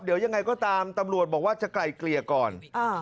เดี๋ยวยังไงก็ตามตำรวจบอกว่าจะไกลเกลี่ยก่อน